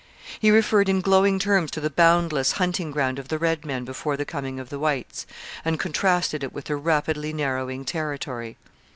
He referred in glowing terms to the boundless hunting ground of the red men before the coming of the whites, and contrasted it with their rapidly narrowing territory.